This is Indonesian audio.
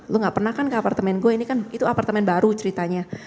lu gak pernah kan ke apartemen gue ini kan itu apartemen baru ceritanya